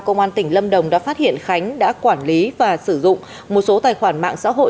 công an tỉnh lâm đồng đã phát hiện khánh đã quản lý và sử dụng một số tài khoản mạng xã hội